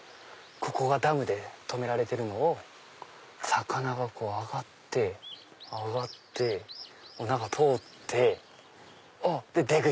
ここがダムで止められてるのを魚が上がって上がって中通ってで出口！